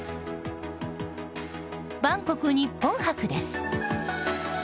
バンコク日本博です。